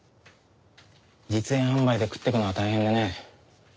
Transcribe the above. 実演販売で食ってくのは大変でね。